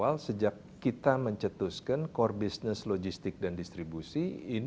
nah makanya sejak awal sejak kita mencetuskan core business logistik dan distribution